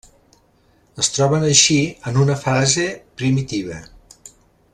Es troben així, en una fase primitiva.